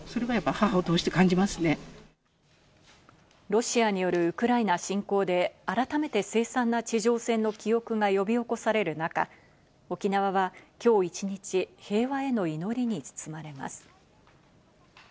ロシアによるウクライナ侵攻で改めてせい惨な地上戦の記憶が呼び起こされる中、沖縄は今日一日、平和への祈りに包まれます。